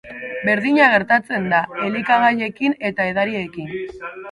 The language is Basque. Berdina gertatzen da elikagaiekin eta edariekin.